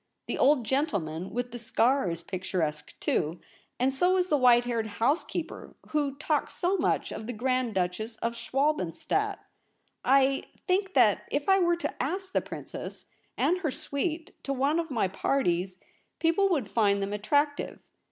The old gentleman with the scar is picturesque too, and so is the white haired housekeeper, who talked so much of the Grand Duchess of Schwalbenstadt. I LITERA SCRIPT A. 219 think that if I were to ask the Princess and her suite to one of my parties, people would find them attractive.